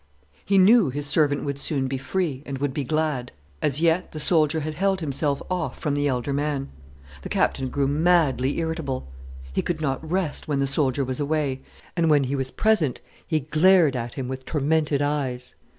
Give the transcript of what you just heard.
He knew his servant would soon be free, and would be glad. As yet, the soldier had held himself off from the elder man. The Captain grew madly irritable. He could not rest when the soldier was away, and when he was present, he glared at him with tormented eyes.